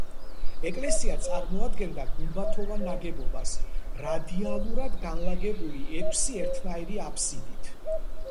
ეკლესია წარმოადგენდა გუმბათოვან ნაგებობას რადიალურად განლაგებული ექვსი ერთნაირი აფსიდით.